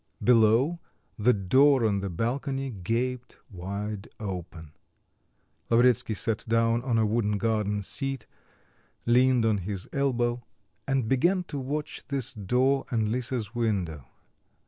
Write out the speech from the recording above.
Below, the door on to the balcony gaped wide open. Lavretsky sat down on a wooden garden seat, leaned on his elbow, and began to watch this door and Lisa's window.